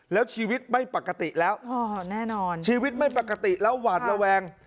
แล้วชีวิตไม่ปกติแล้วแน่นอนชีวิตไม่ปกติแล้วหวาดระแวง